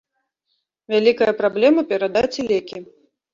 Вялікая праблема перадаць і лекі.